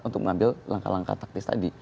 untuk mengambil langkah langkah taktis tadi